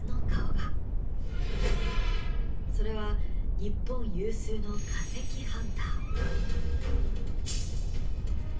それは日本有数の化石ハンター。